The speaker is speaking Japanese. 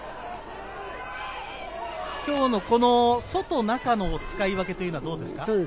今日の外、中の使い分けはどうですか。